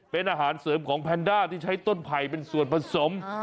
เป็นอาหารเสริมของแพนด้าที่ใช้ต้นไผ่เป็นส่วนผสม